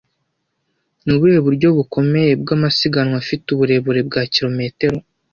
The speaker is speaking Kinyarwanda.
Ni ubuhe buryo bukomeye bwa amasiganwa afite uburebure bwa kilometero